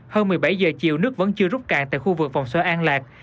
hơn một mươi bảy giờ chiều nước vẫn chưa rút cạn tại khu vực vòng xoay an lạc